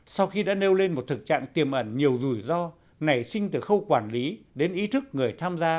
sau khi đã nêu lên một thực trạng tiềm ẩn nhiều rủi ro nảy sinh từ khâu quản lý đến ý thức người tham gia